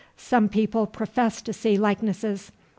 Some people profess to see likenesses.